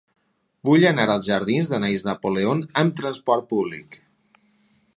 Vull anar als jardins d'Anaïs Napoleon amb trasport públic.